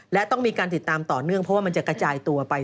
และต้องมีการติดตามต่อเนื่องเพราะว่ามันจะกระจายตัวไป